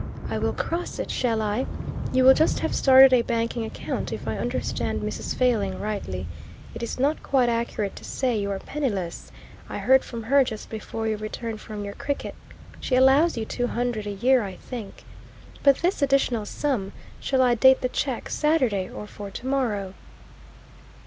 I will cross it, shall I? You will just have started a banking account, if I understand Mrs. Failing rightly. It is not quite accurate to say you are penniless: I heard from her just before you returned from your cricket. She allows you two hundred a year, I think. But this additional sum shall I date the cheque Saturday or for tomorrow?"